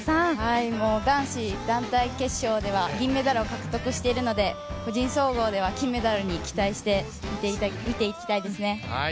男子団体決勝では銀メダルを獲得しているので、個人総合では金メダルに期待して見ていきたいですね。